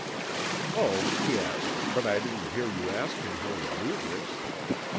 "Oh, yes, but I didn't hear you ask him how he knew this.